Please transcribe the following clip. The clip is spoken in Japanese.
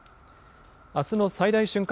あすの最大瞬間